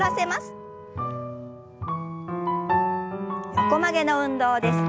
横曲げの運動です。